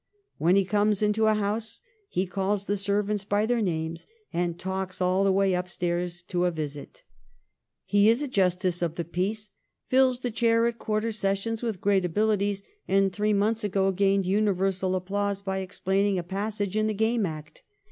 'When he comes into a house he calls the servants by their names, and talks all the way upstairs to a visit.' He is a Justice of the Peace, ' fills the chair at quarter sessions with great abilities, and three months ago gained universal applause by explaining a passage in the Game Act.'